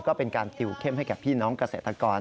ก็เป็นการติวเข้มให้แก่พี่น้องเกษตรกร